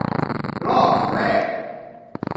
รอบแรก